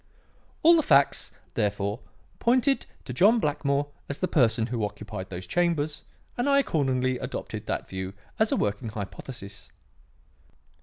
"All the facts, therefore, pointed to John Blackmore as the person who occupied these chambers, and I accordingly adopted that view as a working hypothesis."